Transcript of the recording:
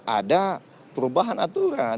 ada perubahan aturan